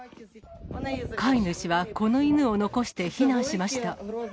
飼い主はこの犬を残して避難しました。